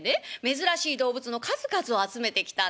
珍しい動物の数々を集めてきたんです。